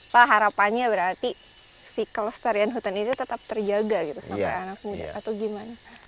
pak harapannya berarti si kelestarian hutan ini tetap terjaga gitu sampai anak muda atau gimana